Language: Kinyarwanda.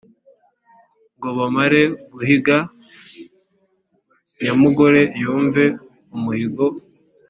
Ngo bamare guhiga nyamugore yumva umuhigo.